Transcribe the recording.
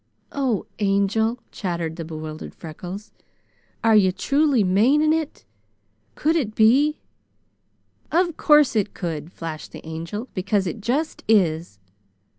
"Oh, Angel!" chattered the bewildered Freckles, "are you truly maning it? Could it be?" "Of course it could," flashed the Angel, "because it just is!"